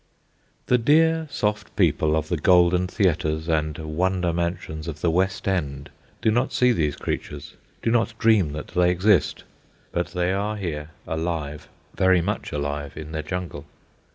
The dear soft people of the golden theatres and wonder mansions of the West End do not see these creatures, do not dream that they exist. But they are here, alive, very much alive in their jungle.